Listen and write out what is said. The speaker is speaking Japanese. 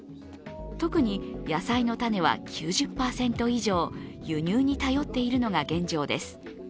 特に野菜の種は９０％以上、輸入に頼っているのが現状です。